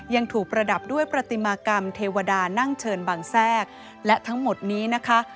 ยังถูกประดับด้วยประติมากรรมเทวดานั่งเชิญบังแทรกและทั้งหมดนี้นะคะ